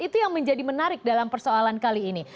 itu yang menjadi menarik dalam persoalan kali ini